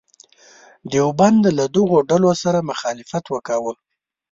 دیوبند له دغو ډلو سره مخالفت وکاوه.